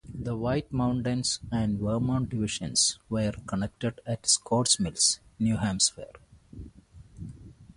The White Mountains and Vermont Divisions were connected at Scott's Mills, New Hampshire.